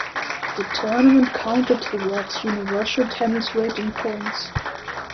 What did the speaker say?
The tournament counted towards Universal Tennis Rating points.